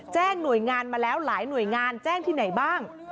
แจ้งหน่วยงานมาแล้วหลายหน่วยงานแจ้งที่ไหนบ้าง